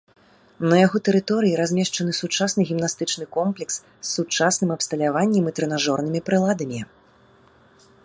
На яго тэрыторыі размешчаны сучасны гімнастычны комплекс з сучасным абсталяваннем і трэнажорнымі прыладамі.